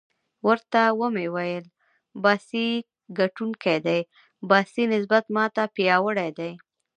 ورته ومې ویل: باسي ګټونکی دی، باسي نسبت ما ته پیاوړی دی.